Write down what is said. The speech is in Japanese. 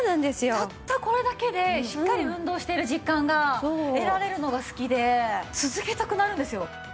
たったこれだけでしっかり運動してる実感が得られるのが好きで続けたくなるんですよ。